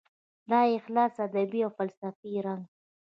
د اخلاص ادبي او فلسفي رنګ